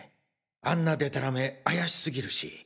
あんなデタラメ怪しすぎるし。